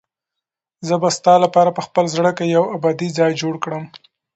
زه به ستا لپاره په خپل زړه کې یو ابدي ځای جوړ کړم.